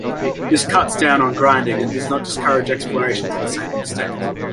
This cuts down on grinding and does not discourage exploration to the same extent.